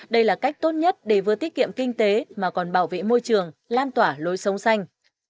đây là cách tốt nhất để vừa tiết kiệm kinh tế mà còn bảo vệ môi trường lan tỏa lối sống xanh